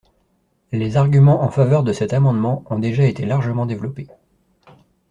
Les arguments en faveur de cet amendement ont déjà été largement développés.